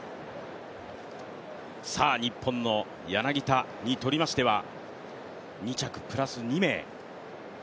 日本の柳田にとりましては、２着プラス２名。